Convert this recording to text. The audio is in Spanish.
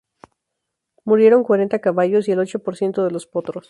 Murieron cuarenta caballos y el ocho por ciento de los potros.